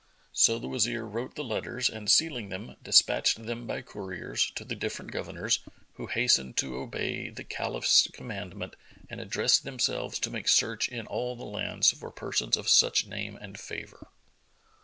So the Wazir wrote the letters and sealing them, despatched them by couriers to the different Governors, who hastened to obey the Caliph's commandment and addressed themselves to make search in all the lands for persons of such name and favour.